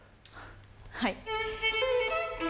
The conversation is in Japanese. はい。